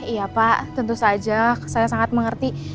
iya pak tentu saja saya sangat mengerti